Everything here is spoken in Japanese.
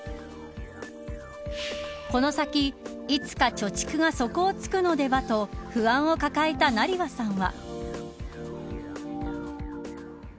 この先、いつか貯蓄が底をつくのではと不安を抱えた成羽さんは。